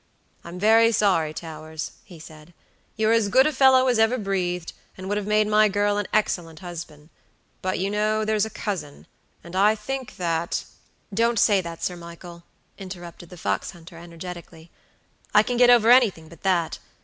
"I'm very sorry, Towers," he said. "You're as good a fellow as ever breathed, and would have made my girl an excellent husband; but you know there's a cousin, and I think that" "Don't say that, Sir Michael," interrupted the fox hunter, energetically. "I can get over anything but that.